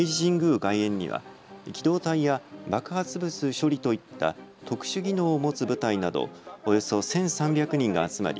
外苑には機動隊や爆発物処理といった特殊技能を持つ部隊などおよそ１３００人が集まり